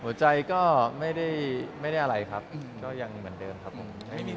หัวใจก็ไม่ได้อะไรครับก็ยังเหมือนเดิมครับผม